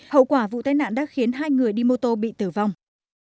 hậu quả vụ tai nạn đã khiến hai người đi mô tô bị tử vong